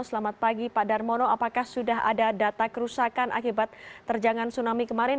selamat pagi pak darmono apakah sudah ada data kerusakan akibat terjangan tsunami kemarin